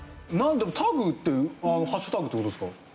でも「タグ」ってハッシュタグって事ですか？